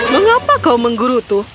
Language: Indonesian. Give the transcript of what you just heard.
mengapa kau mengguru itu